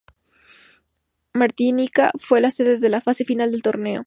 Martinica fue la sede de la fase final del torneo.